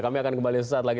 kami akan kembali sesaat lagi